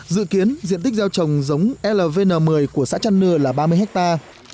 dự kiến diện tích gieo trồng giống lvn một mươi của xã trăn nưa là ba mươi hectare